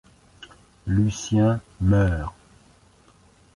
Lucien meurt.